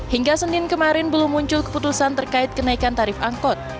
hingga senin kemarin belum muncul keputusan terkait kenaikan tarif angkot